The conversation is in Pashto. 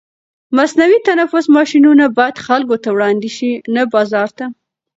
مصنوعي تنفس ماشینونه باید خلکو ته وړاندې شي، نه بازار ته.